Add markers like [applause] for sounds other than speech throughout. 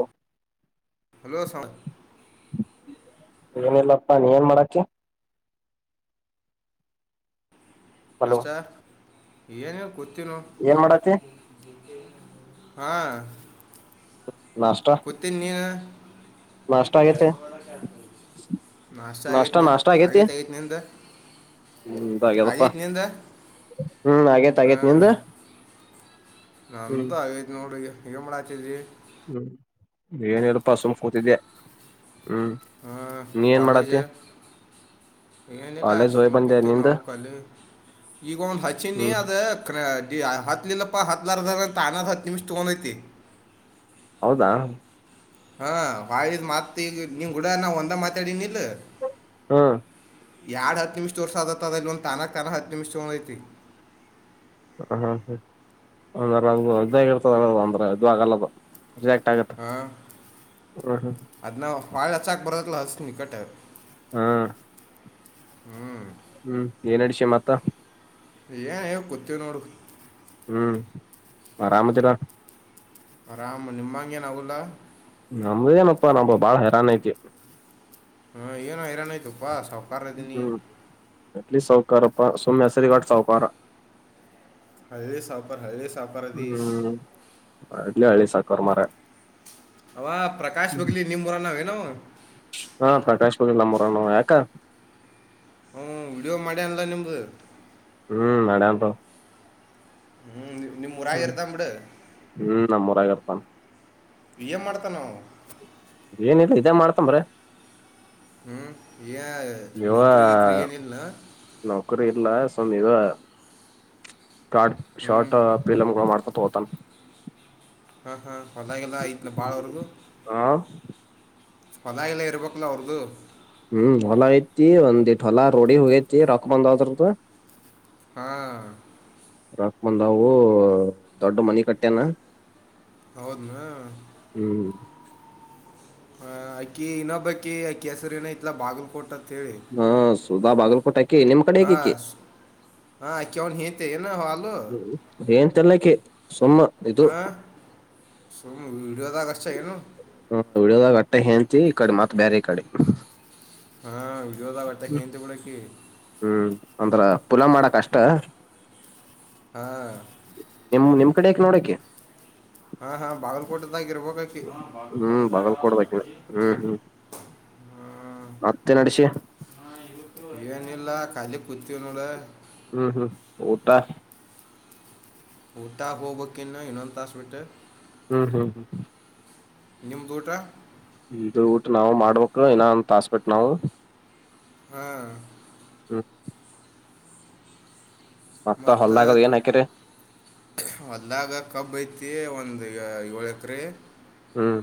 [inaudible] Hello sir ಏನಿಲ್ಲಪ್ಪಾ ನೀ ಏನ್ ಮಾಡತ್ತಿ ಹಲೋ ನಷ್ಟಾ ಏನೀಲ್ಲ ಕುತ್ತಿನೋಡ್ ಏನ್ ಮಾಡತಿ ಹಾ. ನಾಷ್ಟ ಕುತ್ತಿನ್ ನೀನಾ. ನಾಷ್ಟ ಆಗೇತಿ ನಾಷ್ಟಾ ಆಗೆತ್ ನಾಷ್ಟ ನಿನ್ ನಾಷ್ಟ ಆಗೆತ್ ಆಗೆತ್ ನಿಂದ್. ಹ್ಮು ನಂದುಗ್ಯದಪ್ಪ ಹ್ಮು ಆಗೇತ್ ಆಗೇತ್ ಹಾಂ ನಿಂದ್. ನಂದು ಆಗೆತ ನೋಡಿಗ ಏನ್ಮಾಡಾತಿದಿ. ಹ್ಮ ಏನಿಲ್ ಪಾ ಸುಮ್ ಕೂತಿದ್ದೆ. ಹ್ಮ್ ಹಾ ನೀ ಏನ್ ಕಾಲೇಜ್. ಮಾಡತಿ ಏನಿಲ್ಲಾ ಕಾಲೇಜ್ ಹೋಗಿ ಸುಮ್ ಬಂದೆ ಕುತ್ತಿವ್ ನಿಂದ ನಾವು ಕಾಲಿ. ಈಗ ಒಂದ್ ಹಚ್ಚಿನಿ ಹ್ಮ್ ಅದ ಕ್ರ್. ಯ ಹ ಹತ್ಲಿಲ್ಲಪ್ಪಾ ಹತ್ಲಾರದನ ತಾನ ಅದ್ ಹತ್ ನಿಮಿಷ ತಗೊಂದೆತಿ. ಹೌದಾ. ಹ ಹ್ವಾಳಿ ಇದ್ ಮತ್ ಈಗ್ ನಿನ್ಗೂಡ ನಾ ಒಂದ ಮಾತಾಡಿನಿಲ್. ಹ. ಯಾಡ್ ಹತ್ ನಿಮಿಷ ತೋರಸಾತತ್ ಅಲ್ಲಿ ಒಂದ್ ತಾನಕ್ ತಾನ ಹತ್ ನಿಮಿಷ ತೊಂದೈತಿ. ಹ ಹ್ಮ ಹ್ಮ ಅಂಗರಂಗ ಇದ್ದಾಗಿರ್ತದ ಅಂದ್ರ ಇದುಆಗಲ್ಲದು. ಜೇಕ್ಟ್ ಆಗತ್ತ್ ಹಾಂ ಹ್ಮು ಹ್ಮು. ಹುವಾಳಿ ಹಚ್ಚಾಕ್ ಬರ್ತೆತ್ಲಾ ಹಚ್ಚ್ತಿನಿ ಹಿಕಟ್ಟ. ಹ್ಮ. ಹ್ಮು. ಹ್ಮ ಎನಡ್ಸಿ ಮತ್ತ. ಏನೇಲ್ ಕುತ್ತಿವ್ ನೋಡು. ಹ್ಮ ಅರಮದಿಲಾ. ಅರಾಮ ನಿಮ್ಮಂಗೆನಾಗುಲ್ಲಾ. ನಮ್ದೇನಪ್ಪಾ ನಮ್ದ ಬಾಳ ಹೈರಾಣ ಐತಿ. ಹ ಏನ್ ಹೈರಾಣ್ ಅಯ್ತೋಪಾ ಸೌಕಾರ ಅದಿನಿ. ಎಲ್ಲಿ ಸೌಕಾರಪ್ಪಾ ಸುಮ್ ಹೆಸರಿಗಟ್ ಸೌಕಾರ. ಹಳ್ಳಿ ಸೌಕಾರ್ ಹಳ್ಳಿ ಸೌಕಾರ್ ಅದಿ. ಕರಮಾರೆ. ಅವಾ ಪ್ರಕಾಶ್ ಬಗ್ಲಿ ನಿಮ್ಮೂರಾನಾವ್ ಏನವ. ಹಾ ಪ್ರಕಾಶ್ ಬಗ್ಲಿ ನಮ್ಮೂರಾನವ ಯಕ್. ಹ್ಮ ವಿಡಿಯೋ ಮಾಡ್ಯಾನ್ಲಾ ನಿಮ್ದ. ಹ್ಮ ನಡ್ಯಾಂತವ. ಹ್ಮು ನಿಮ್ಮ್ ಊರಾಗ್ ಇರ್ತಾನ್ಬಿಡ್. ನಮ್ಮೂರಾಗಿರ್ತಾನ್. ಎಂಮಾಡ್ತನವ. ಏನಿಲ್ಲ ಇದೇ ಮಾಡ್ತಾನ್ ಬರೇ. ಹ್ಮ ಏ ಇವ ನೌಕ್ರಿ ಗಿಕ್ರಿ ಏನಿಲ್ಲನ. ಇಲ್ಲಾ ಸುಮ್ ಇದು ಶಾಟ್ ಹ್ಞೂ ಶಾರ್ಟ ಪೀಲಂಗೊಳ್ ಮಾಡ್ಕಂತ ಹೋಗ್. ತ್ತಮ್. ಹ ಹ ಹೊಲಾ ಗಿಲಾ ಐತ್ನ ಬಾಳವ್ರುದು. ಹ ಹೊಲಾ ಗಿಲಾ ಇರ್ಬೇಕಲ್ಲ ಅವ್ರ್ದು. ಹ್ಮ್ ಹೊಲಾ ಐತ್ತಿ ಒಂದಿಟ್ ಹೊಲಾ ರೋಡಿಗ ಹೋಗೆತಿ ರೋಕ್ ಬಂದಾವು ಅದ್ರುದು. ಹಾ. ರಕ್ಕ ಬಂದಾವು ದೊಡ್ಡ ಮನಿ ಕಟ್ಯಾನ್. ಹೌದ್ನ. ಹ ಅಕಿ ಇನ್ನೊಬ್ಬಕ್ಕಿ ಅಕಿ ಹೆಸರ್ ಏನಐತ್ಲಾ ಬಾಗಲ್ಕೋಟತ್ ಹೇಳಿ. ಹಾ ಸುಧಾ ಬಾಗಲಕೋಟೆ. ಹ ಸು ಅಕ್ಯ ಅವನ್ ಹೆಂತಿ ಏನ್ ಹ ಅಲ್ಲೋ. ತೆಲ್ಲಕಿ. ಹಾ ಸುಮ್ ವಿಡ್ಯೂದಾಗ್. ಹ್ಮ ವೀಡೀಯೋದಾಗ ಅಟ್ಟೆ ಹೆಂಡತಿ ಈ ಕಡೆ ಮತ್ತ ಬೇರೆ ಈ ಕಡೆ ಹಾ ವೀಡಿಯೋದಾಗ ಹಟ್ಟೆ ಹೆಂಡತಿ ಬೀಡಿ ಅಕಿ ಹ್ಮ್ ಅಂದ್ರ ಪುನ ಮಾಡಕ ಅಷ್ಟ ಹಾಂ ನಿಮ ನಿಮ್ ಕಡೆಕಿ ನೋಡಕ್ಕಿ ಹಾ ಹಾ ಬಾಗಲ್ಕೋಟೆ ದಾಗ ಇರಬೇಕಕಿ ಹಾ ಹ್ಮ್ ಬಗಲ್ ಬಾಗಲಕೋಟೆದಾಗಳ ಮತ್ತೆನ ನಡಸಿ ಹಾ ಇವತ್ತು ಏನಿಲ್ಲ ಕಾಲಿ ಕುಂತಿವ ನೋಡ ಹ್ಮ್ ಹ್ಮ್ ಊಟಾ ಊಟ ಹೋಗಬೇಕ ಇನ್ನು ಇನ್ನೊಂದ ತಾಸಬಿಟ್ಟ ಹ್ಮ್ ಹ್ಮ್ ಹ್ಮ್ ನಿಮ್ಮದ ಊಟಾ ಇದು ಊಟ ನಾವು ಮಾಡ್ಬೇಕು ಇನ ಹೊಂತಾಸ್ಬಟ್ಟು ನಾವು ಹ್ಮ ಹ್ಮ್ ಮತ್ತ ಹೊಲ್ದಾಗ ಏನ್ ಹಾಕಿರಿ ಹೊಲ್ದಾಗ ಕಬ್ಬಐತಿ ಒಂದ ಏಳು ಎಕರೆ ಹ್ಮ್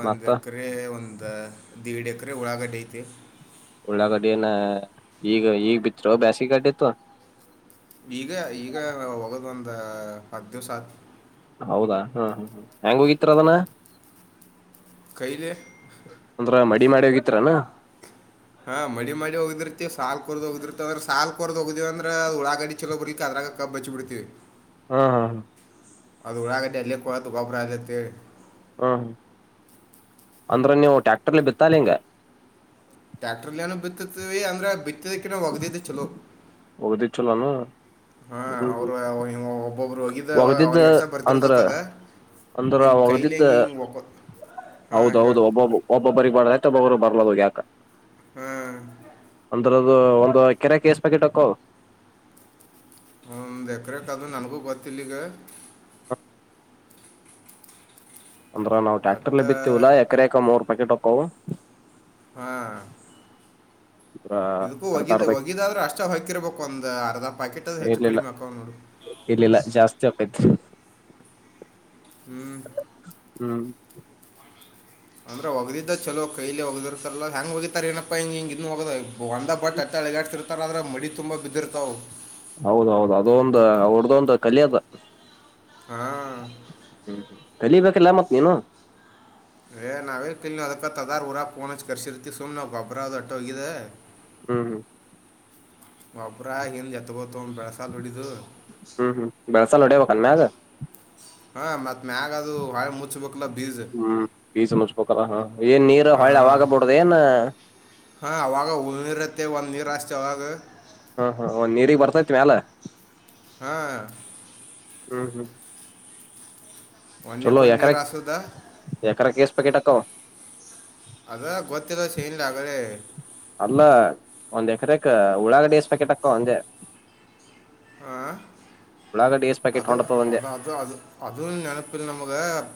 ಒಂದ ಮತ್ತ ಎಕರೆ ಒಂದ ದಿಡ್ ಎಕರೆ ಉಳ್ಳಾಗಡ್ಡಿ ಐತಿ ಉಳ್ಳಾಗಡ್ಡಿಯಿನ ಈಗ ಈಗ್ ಬಿತ್ತಿರೊ ಬ್ಯಾಸಿಗ ಗಡ್ಡಿ ಇತ್ತು ಈಗ ಈಗ ಹೋಗದ್ ಒಂದ ಹತ್ತ ದಿವ್ಸ ಹಾತ್ ಹೌದಾ ಹ್ಮ್ ಹ್ ಹೆಂಗ ಹೋಗಿತ್ರಿ ಅದನಾ ಕೈಲೆ ಅಂದ್ರ ಮಡಿ ಮಾಡಿ ಹೋಗಿತ್ರನು ಹಾ ಮಡಿ ಮಾಡಿ ಹೋಗ್ದಿರ್ತಿ ಸಾಲ್ ಕರ್ದ್ ಹೋಗಿರ್ತಿವಂದ್ರೆ ಸಾಲ್ ಕೋರ್ ಹೋಗ್ದಿ ವಿಂದ್ರ ಉಳಾಗಡಿ ಚಲೋ ಬರಲ್ಲಿಕ ಕಬ್ಬ ಹಚ್ಚಿ ಬಿಡ್ತೀವಿ ಹಾ ಹಾ ಹಾ ಅದು ಉಳಾಗಡ್ಡಿ ಅಲ್ಲೆ ಕೊಳೆತು ಗೊಬ್ರತೈತಿ ಹ್ಮ್ ಅಂದ್ರ ನೀವು ಟ್ಯಾಕ್ಟರ್ಲಿ ಬಿತ್ತಲ್ಲ ಹಿಂಗ ಟ್ಯಾಕ್ಟ್ರಲ್ಲೇನು ಬಿತ್ತತ್ತವಿ ಅಂದ್ರೆ ಬಿತ್ತಿದ್ದಕ್ಕಿನ ಒಗದಿದ್ದೆ ಚಲೋ ಹೋಗದಿದ್ ಚಲೋನ ಹಾ ಅವ್ರು ಒಬ್ಬೊಬ್ರು ಹೋಗಿದ್ದ ಒಗದಿದ್ದ ಅವ್ರಿಗ ಅಷ್ಟ ಅಂದ್ರ ಬರ್ತಿರತ್ತದು ಅಂದ್ರ ಹಿಂಗ್ ಒಗದಿದ್ದ ಕೈಲಿಂಗಿ ಒಕ್ಕೂ ಹೌದೌದು ಒಬ್ಬಬ್ಬ ಒಬ್ಬಬ್ಬರಿಗ ಮಾಡ ಬರ್ಲ ಯಾಕ ಹಾಂ ಅಂದ್ರದು ಒಂದು ಎಕೆರೆಕ್ಕ ಹೆಸ್ ಪ್ಯಾಕೆಟ್ ಕೋ ಒಂದು ಎಕರೆಕ್ ಅದು ನನಗೂ ಗೊತ್ತಿಲ್ಲಿಗ ಹಾ ಅಂದ್ರ ನಾವು ಒಟ್ಟ ಟ್ಯಾಕ್ಟರ್ಲ್ಲಿ ಬಿತ್ತವಲ್ಲ ಎಕರೆಕ ಮೂರ ಪಾಕೆಟ್ ಹೋಕ್ಕವು ಹಾ ಅಂದ್ರ ಇದಕ್ಕೂ ಅರ್ಧ ಒಗಿದ ಅರ್ಧ ಒಗಿದಾದ್ರ ಅಷ್ಟ ಹೊಕಿರ್ಬೇಕು ಒಂದ ಅರ್ಧ ಪಾಕೆಟ್ ಅದು ಹೆಚ್ಚು ಇಲ್ಲಿಲ್ಲ ಕಡಿಮೆ ಹಾಕಾವ್ ನೋಡು ಇಲ್ಲಿಲ್ಲ ಜಾಸ್ತಿ ಆಕೈತ್ತಿ ಹ್ಮ್ ಹ್ಮ್ ಅಂದ್ರೆ ಒಗದಿದ್ದ ಚಲೋ ಕೈಯಲಿ ಒಗದರಿತರಲ್ಲ ಹ್ಯಾಂಗ ಹೋಗಿತಾರೇನಪ್ಪ ಹಿಂಗ ಹಿಂಗ ಇದನ್ನ ಹೋಗದ ಒಂದ ಬಟ್ ಅತ್ತೆ ಅಳಗಾಡ್ತಿರ್ತಾರ ಆದ್ರೆ ಮಡಿ ತುಂಬ ಬಿದ್ದಿರ್ತಾವವು ಹೌದೌದು ಅದೊಂದ ಅವರ್ದೊಂದು‌ ಕಲೆ ಅದು ಹಾ ಹ್ಮ್ ಕಲಿಬೇಕೆಲ್ಲ ಮತ್ ನೀನು ನಾವೇ ಕಲ್ನ ಅದಕ್ಕ ಅಂತ ಅದಾರ್ ಊರಾಗ ಪೋನ ಹಚ್ಚಿ ಕರ್ಸಿರ್ತಿ ಸುಮ್ ನಾವು ಗೊಬರದೊಟ್ಟ ಹೋಗಿದ ಹ್ಮ್ ಹ್ಮ್ ಗೊಬ್ರ ಇಂದು ಎತಗೊಳ ತೋಂದ ಬೆಳ್ಸಾಲ ಹೊಡಿದು ಹ್ಮ್ ಹ್ಮ್ ಬೆಳ್ಸಲ್ ಹೊಡೇಬೇಕನ ಮ್ಯಾಗ ಹಾ ಮತ್ತ, ಹ್ಮ್ ಬ ಸಮ ಮುಚ್ಪಕಾರ ಹ ಏನ್ ನೀರ್ ಆ, ಹೊಳೆ ಅವಾಗಬಡದ. [inaudible] ಹಾ ಅವಾಗ ಹುಳನರತ್ತೆ ಒಂದ್ ನೀರು ಅಷ್ಟೇ ಅವಾಗ. ಹಾ ಹಾ ಒಂದ್ ನೀರಿಗೆ ಬರ್ತೈತ್ ಮ್ಯಾಲ. ಹಾ, ಹ್ಮ್ ಹ್ಮ್. ಚಲೋ ಒಂದ್ನೇಕೊಂದು ಎಕರ ನೀರು ಹಾಸೋದ ಎಕರ ಕಸ್ ಪಕೆಟ್ಕ್ಕವು. ಅದ ಗೊತ್ತಿಲ್ಲ [unintelligible] ಅಲ್ಲ ಒಂದ್ ಎಕರೆಕಾ ಉಳ್ಳಾಗಡಿ ಎಷ್ಟ್ ಪ್ಯಾಕೆಟ ಅಕವ್ವ ಅಂದೇ. ಆ, ಉಳ್ಳಾಗಡಿ, ಅದು ಅದು ಅದು ಅದು ಅದು ನೆನಪಿಲ್ಲ ನಮಗ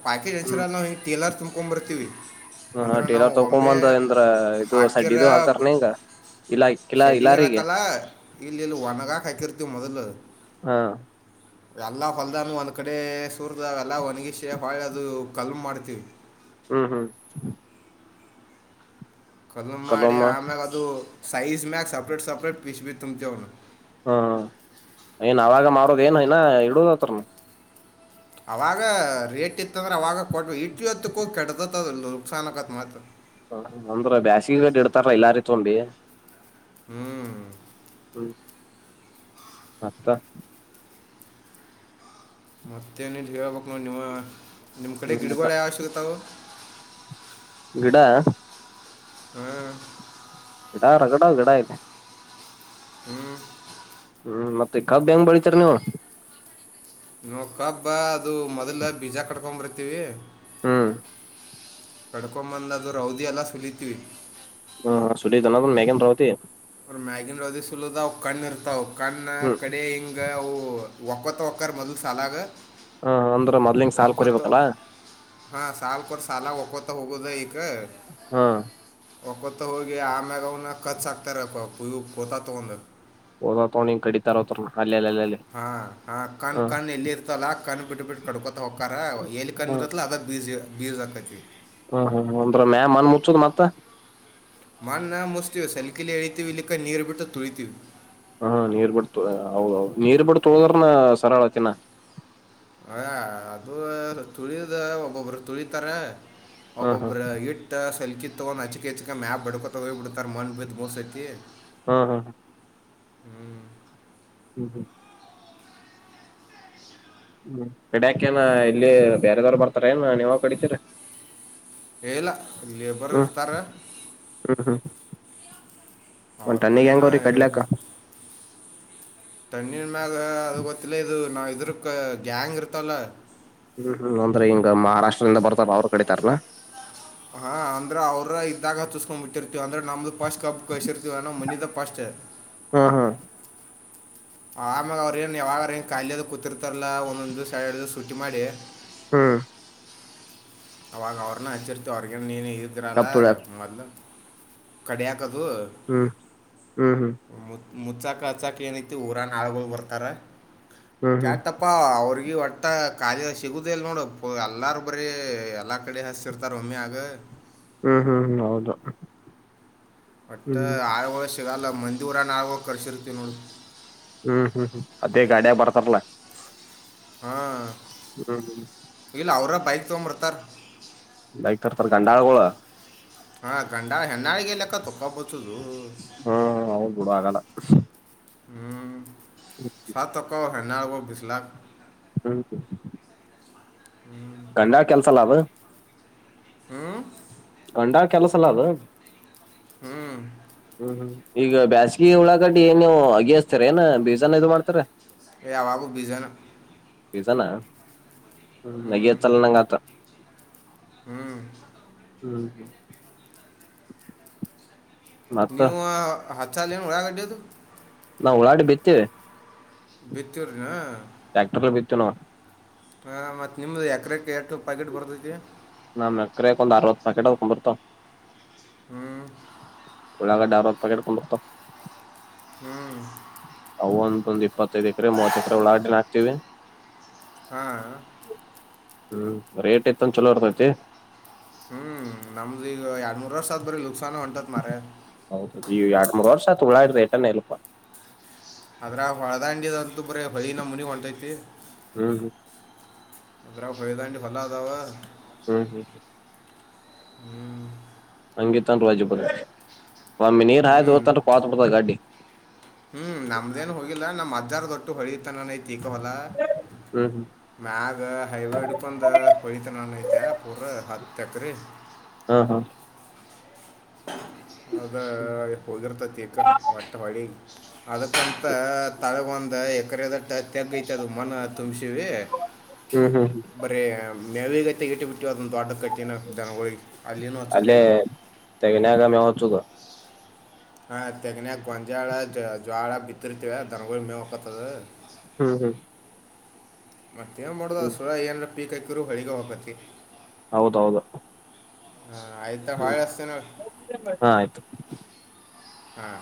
ಪ್ಯಾಕೇಜ್ [unintelligible] ಹ್ಮ್ ಚಿಲಾ ತುಂಬ ಕೊಂಡಂಬರ್ತೀವಿ. ಹ ಅಂದ್ರೆ ನಾವು ಟೇಲರ್ ಒಮ್ಮೆ ತಕೊಂಬಂದ ಅಂದ್ರ ಇದು ಸಡ್ ಹಾಕಿರ. ಇದು ಹಾಕ್ತಾರನ ಹಿಂಗ ಇಲ್ಲ ಕಿಲಾ ಶೇಡಿಗಿ ಏನ್ ಇಲಾರಿಗೆ ಹಾಕಲ್ಲ ಇಲ್ಲಿ ಇಲ್ಲಿ ಒಣಗಾಕ ಹಾಕಿರ್ತಿವಿ ಮೊದಲು. ಹಾ, ಎಲ್ಲಾ ಹೊಲದಾನವು ಒಂದ್ ಕಡೆ ಸೂರದ ಎಲ್ಲಾ ಒಣಗಿಸಿ ಹೊಳ್ಳಿ ಅದು ಕಲ್ಮ್ ಮಾಡ್ತೀವಿ. ಹ್ಮ್, ಹ್ಮ್ ಕಲಮ್ ಮಾಡಿ ಕಲಮ್ಮ ಆಮ್ಯಾಗ ಅದು ಸೈಜ್ ಮ್ಯಾಗ ಸಪ್ರೇಟ್ ಸಪ್ರೇಟ್ ಪೀಸ್ಬಿ ತುಂಬುತ್ತೆವು ನಾವು. ಹಾ ಏನ್ ಅವಾಗ ಮಾಡೋದು ಏನ್ ಇನ್ನ ಇಡುದ್ ಅದ್ರನ್. ಅವಾಗ ರೇಟ್ ಇತ್ತಂದ್ರೆ ಅವಾಗ ಕೊಟ್ ಇಟ್ ಹೊತ್ತಕ್ಕೂ ಕೆಡ್ದತ್ದ ನುಚ್ಚ ಆಕತ್ ಮತ್ತ. ಹ ಅಂದ್ರ ಬ್ಯಾಸಿಗೆ ಬ ಇಡ್ತಾರ ಇಲ್ಲಾರಿ ತೊಂಡಿ, ಹ್ಮ್. ಹ್ಮ್ ಮತ್ತ, ಮತ್ತೇನಿಲ್ಲ ಹೇಳ್ಬೇಕ್ ನೋಡ್ ನಿವಾ ನಿಮ್ಮ ಕಡೆ ಹ್ಮ ಗಿಡಗಳು ಯಾವ್ ಸಿಗತವು. ಗಿಡ, ಹ್ಮ್, ಗಿಡ ರಗಡಾವ ಗಿಡ ಇಲ್ಲಿ. ಹ್ಮ್. ಹ್ಮ್ ಮತ್ತ ಕಬ್ಬ ಹೆಂಗ್ ಬೆಳೀತೀರಿ ನೀವು. ನೋ ಕಬ್ಬಾ ಅದು ಮೊದ್ಲ ಬೀಜ ಕಡ್ಕೊಂಬರ್ತಿವಿ. ಹ್ಮ್, ಕಡ್ಕೊಂಬಂದ ಅದು ರೌದಿ ಎಲ್ಲ ಸುಲಿತೀವಿ. ಹ್ಮ ಸುಲಿದು ಏನ್ ಮ್ಯಾಗಿಂದ್ ರೌದಿ. ಅವ್ರ ಮ್ಯಾಗಿನ್ ರೌದಿ ಸುಲದವು ಕಣ್ಣ್ ಇರ್ತಾವ ಕಣ್ಣ ಹ್ಮ್ ಕಡೆ ಹಿಂಗ ಅವು, ಒಕ್ಕತ್ತ ಒಕ್ಕರ್ ಮೊದಲ್ ಸಾಲಗ. ಹ ಅಂದ್ರ ಮೊದ್ಲಿಂಗ ಸಾಲ್ ಒಕ್ಕೋತ ಕೊರಿಬೇಕಲ್ಲಾ ಹಾ ಸಾಲ ಕೊಟ್ಟ ಸಾಲ ಒಕ್ಕೋತ ಹೋಗುದೇ, ಕ ಹ್ಮ್ ವಕೋತ ಹೋಗಿ ಆಮ್ಯಾಗ ಕ [unintelligible] [unintelligible] ಕಡಿತಾರ ಹಾ ಹಾ ಹ ಕಣ ಕಣ ಎಲ್ಲಿ ಇರ್ತಲ್ಲ ಕಣ ಬಿಟ್ಟ ಬಿಟ್ಟ ಕಡ್ಕೊತ, ಹಕ್ಕಕಾರ ಎಲ್ಲಿ ಕಣ ಹ್ಮ್ ಇರತ್ಲ ಅದ ಬೀಜ ಬೀರಕೈತತಿ ಹ್ಮ್ ಹ್ಮ್ ಅಂದ್ರ ಮ್ಯಾಲ ಮನ್ ಮುಚ್ಚದ್ ಮತ್ತ. ಮಣ್ಣ್ ಮುಚ್ಚತೀವಿ ಸಲ್ಕಿಲಿ ಎಳಿತೀವಿ, ಇಲ್ಲಿಕ್ಕ ನೀರು ಬಿಟ್ಟು ತುಳಿತೀವಿ ಹ ನೀರ್ ಬಿಡ್ತು ಹೌದೌದು ನೀರ್ ಬಿಡ್ತು ತುಳದ್ರನ ಸರಳ ಐತಿ ಇನ್. ಅಯ ಅದು ತುಳಿಯದ ಒಬ್ಬೊಬ್ಬರು ತುಳಿತಾರ. ಹ್ಮ್ ಒಬ್ಬೊಬರ್ ಇಟ್ಟ. ಸಲಕಿ ತಗೊಂಡು ಅಚ್ಕೆಚ್ಕ ಮ್ಯಾಪ್ ಬಡ್ಕೊತ ಹೋಗಿ ಬಿಡ್ತಾರ. [unintelligible] ಹಾ, ಹಾ ಹ್ಮ್. ಹ್ಮ್ ಹ್ಮ್ ಹ್ಮ್ ಕಡಿಯಕೇನ ಇಲ್ಲಿ ಬೇರೆದವರು ಬರ್ತಾರ ಏನ ನೀವ ಕಡಿತೀರ ಹೇಳಏಲ್ಲ ಲೇಬರ್ ಹತಾರೆ ಒಂಟನ್ನಗ್ ಹೆಂಗೋರಿ ಕಡ್ಲಕ್ಕ ತಣ್ಣನ್ ಮ್ಯಾಗ ಅದು ಗೊತ್ತಿಲ್ಲ ಇದು ನಾವ ಇದ್ರ ಗ್ಯಾಂಗ್ ಇರ್ತಲ್ಲ ಹ್ಮ್ ಹ್ಮ್ ಅಂದ್ರೆ ಹಿಂಗ ಮಹಾರಾಷ್ಟ್ರದಿಂದ ಬರ್ತಾರ ಅವ್ರ ಕಡಿತಾರನ ಹಾ ಅಂದ್ರ ಅವ್ರ ಇದ್ದಾಗ ತುಸ್ಕೊಂಡ್ ಬಿಟ್ಟಿರ್ತವ ಅಂದ್ರೆ ನಮ್ದು ಪಾಷ್ಟ್ ಕಬ್ಬ ಕಶರ್ ಮನ್ನದ ಪಾಷ್ಟ ಹ್ಮ ಹ್ಮ್ ಆಮ್ಯಾಗ ಅವ್ರ ಏನ್ ಯಾವಾಗ ಏನ್ಲಿ ಅದ ಕೂತಿರ್ತಾರಲ್ಲ ಒಂದೊಂದ ದಿವಸ ಎರ ಎರಡು ದ ಸುಟ್ಟಿ ಮಾಡಿ ಹಾ ಅವಾಗ ಅವ್ರನ್ನ ಹಚ್ಚಿರ್ತ ಅವ್ರಗ ನೀನು ಇದ್ರಲ್ಲ ಕಬ್ ತುಳ್ಯಾಕ್ ಮೊದ ಕಡ ಹ್ಮ್ ಹ್ಮ್ ಹ್ಮ್ [unintelligible] ಮುಚ್ಚಾಕ ಹಚ್ಚಾಕ ಏನೈತಿ ಊರನ್ ಆಳಗಳು ಬರ್ತಾರ ಹ್ಮ್ ಹ್ಮ್ ಕ್ಯಾತಪ್ಪ ಅವ್ರಿಗೆ ಈ ಒಟ್ಟ ಕಾಲಿ ಸಿಗುದ ಇಲ್ ನೋಡು ಎಲ್ಲಾರು ಬರೀ ಅಲ್ಲ ಕಡೆ ಹಸಿರತಾರೋಮ್ಮಿ ಅಗ ಹ್ಮ್ ಹ್ಮ್ ಹ್ಮ್ ಹೌದು ಒಟ್ಟ ಹ್ಮ್ ಆಳ್ವಳ ಸಿಗಲ್ಲ ಮಂದಿೂಊರಾನ ಆಳ್ವಳ ಕರ್ಸಿರ್ತಿವಿ ನೋಡಿ ಹ್ಮ್ ಹ್ಮ್ ಹ್ಮ್ ಅದೇ ಗಡಿಯ ಬರ್ತಾರಲ್ಲ ಹಾ ಹ್ಮ್ ಹ್ಮ ಇ ಅವ್ರ ಬೈಕ್ ತಗೊಂಬರ್ತಾರ್ ಬೈಕ್ ತತ ಗಂಡಾಳಗೋಳ ಹಾ ಕಂಡ ಹೆ ನಾಳಗೆಲ್ಲಲೆಕ್ಕ ತಪ್ಪಾಪತುದು ಹಾ ಹೌದ್ ಬಿಡು ಆಗಲ್ಲ ಹಞ ಸ ತಕ ಹನಗ ಬಿ ಲಾಖ ಹರಿಕು ಹ್ಮ್ ಗಂಡ ಕೆಲ್ಸ ಅಲ್ಲ ಅದು ಹ್ಮ ಗಂಡಾ ಕೆಲಸ ಎಲ್ಲ ಅದು ಹ್ಞೂ ಹ್ಮ್ ಹ್ಮ್ ಈಗ ಬೇಾಸಗಿ ಹಳಾಗಡ್ಡಿ ಏ ನೀವು ಅಗೆಹಸ್ತಾರ ಏನ ಬೀಜಾನ ಇದು ಮಾಡ್ತಾರ ಆವಾಗು ಬೀಜನ್ ಾನ ಹ್ಮ ನಗತ್ತಲ್ಲ ನಂಗ ಆತ್ರ ಹ್ಮ್ ಹ್ಮ್ ಹ್ಮ್ ಮತ್ತ ನೀವು ಹತ್ತುಲ್ ಏನು ಒಳ್ಳಾಗಡ್ಡದು ನಾವು ಓರಾಟ ಬಿತ್ತೇವೆ ಬಿತ್ತೂ್ರನಾ ಟ್ರ್ಯಾಕ್ಟರ್ ಲ ಬಿತನವ ಹಾ ಮತ್ತತ್ ನಿಮ್ದು ಎಕರೆಕ ನಮ್ಮ್ ಎಕ್ರಕ್ ಒಂದ್ ಅರವತ್ತು ಪ್ಯಾಕೆಟ್ ಹಕೊಂಡ್ ಬರ್ತಾವ ಹ್ಮ್ ಒಳಾಗ ಡಾರ್ ಹ ಪ ಕೆಟ್ಕೊಂಡು ಹೋಗರ್ತ ಹ್ಞೂ ಅ ಒಂದೊಂದ್ ಇಪ್ಪತ್ತೈದ್ ಎಕರೆ ಮೂವತ್ ಎಕರೆ ಒಳಾಡ್ಿನ ಹಾಕ್ತಿವಿ ಹಾಂ ಹ್ಮ್ ರೇಟ್ ಇತ್ತನ್ ಚಲೋ ಇರ್ತೈತಿ ಹ್ಮ್ ನಮ ಈ ಆಡುಮೂರು ವರ್ಷತ್ ಬರಿ ಲುಕ್ಸ ಹೌದ ನೀ ಎರಡ್ ಮೂರ್ ವರ್ಷ ತುಳಾ ಇ್ರ ಟನ್ ಇಲ್ಪ ಅದ್ರ ಹೊಳದಾಂಡಿಯದಂತೂ ಬರ ಬಳಿ ನಮ್ಮ ಮುನಿ ಹೊಳ್ತೈತಿ ಹ್ಮ್ ಹ್ಮ್ ರಫೇದ ನೀ ಲ್ಲಾದ ವಾ ಹ್ಮ್ ಹ್ಮ್ [inaudible] ಹ್ಮ್ [inaudible] ಹಂಗಿತನ್ರು ರಜಿ ಬ ಒಮಿ ನೀರ್ ಹಾಯ್ದು ಹೋಗತನ್ ಕತ್ ಬಿಡ್ತ ಗಾಡಿ ಹ್ಮ್ ನಮ್ದೇನ್ ಹೋಗಿಲ್ಲ ನಮ್ ಅಜ್ಜಾರದ ದೊಟ್ಟು ಹೊಳತನನ್ಐತಿಕೋವಲ್ಲ ಹ್ಮ್ ಹ್ಮ್ ಮ್ಯಾಗ ಹೈವೇ ಹಿಡ್ಕೊಂಡ ಹೊಯ್ತೆ ನನ್ ಐತೆ ಪೂರ ಹತ್ತ ಎಕ್ರಿ ಹಾ ಹಾ ಅದ ಹೋಗಿರ್ತತಿಗ ಹೊಟ್ಟೆ ಹೊಡಿ ಅದಕ್ಕಂತ ತಳ ಬಂದ ಎ ತ ಕರೆದಟ್ಟ ತೆಗ್ತ ಅದು ಮನ ತುಂಬಸವಿ ಹ್ಮ್ ಹ್ಮ್ ಹ್ಮ್ ಬರೀ ನೆವೀಗತೆ ಇಟಬಟ್ಟ ತ ದೊಡ್ಡ ಕಟ್ಟಿನ ಜನಗಳ ಅಲ್ಲಿನು ಅಲ್ಲೇ ಹಚ್ಚುದೆಲ್ಲ ತೆಗನ್ಯಾಗ ಮೇವ್ ಹಚ್ಚುದು ಹಾ ತೆಗನ ಗಂಜಾ ಆಳ ಜ್ವಾಳ ಬಿತ್ತರ್ತವ ದನಗಳ ಮೇವ ಹಕತದ ಹ್ಮ್ ಹ್ಮ್ ಮತ್ತೇಏನ್ ಹ್ಮ್ ಮಾಡಡದಸು ಏನ್ ಪೀಕ್ಕರು ಹೊಳಗ ಹಕತಿ ಹೌದೌದು ಹಾ ಆಯತ ಹಳ ಹ್ಮ್ ಅತ ನ ಹಾ ಆಯ್ತು ಹ್ಮ